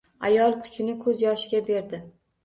Ayol kuchini ko‘z yoshiga berdi.